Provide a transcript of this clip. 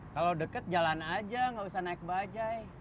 kalau deket jalan aja nggak usah naik bajai